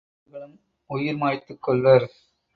அவர்களும் உயிர் மாய்த்துக் கொள்வர்.